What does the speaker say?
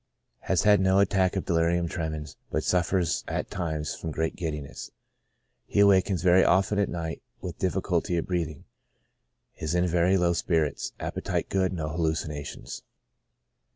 Has had no attack of delirium tremens, but suffers at times from great giddiness. He awakes very often at night with difficulty of breathing ; is in very low spirits; appetite good; no hallucinations.